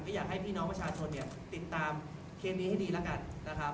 อยากให้พี่น้องประชาชนเนี่ยติดตามเคสนี้ให้ดีแล้วกันนะครับ